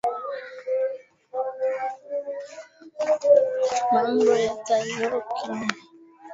Alimaliza kula